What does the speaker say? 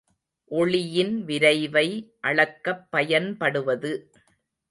ஒளியின் விரைவை அளக்கப் பயன்படுவது.